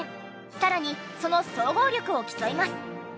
さらにその総合力を競います。